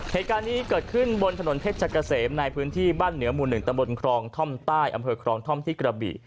เหตุการณ์นี้เกิดขึ้นบนถนนเพชรกะเสมในพื้นที่บ้านเหนือหมู่๑ตำบลครองท่อมใต้อำเภอครองท่อมที่กระบี่